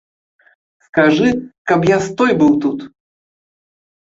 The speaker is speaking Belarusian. Скажы, каб як стой быў тут.